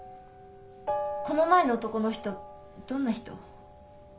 この前の男の人どんな人？